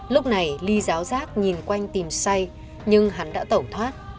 lúc này ly giáo nhìn quanh tìm say nhưng hắn đã tẩu thoát